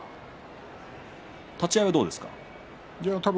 立ち合いはどうですか？